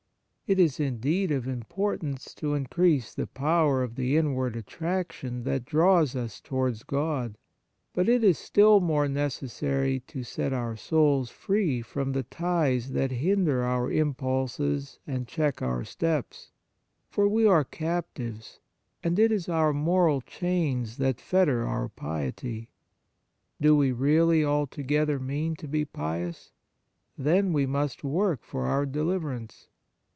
It is, indeed, of importance to increase the power of the inward attraction that draws us towards God, but it is still more necessary to set our souls free from the ties that hinder our impulses and 72 The Nature of Piety check our steps. For we are cap tives, and it is our moral chains that fetter our piety. Do we really alto gether mean to be pious ? Then we must work for our deliverance.